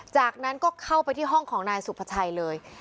จากนั้นก็เข้าไปที่ห้องของนายสุภาชัยเลย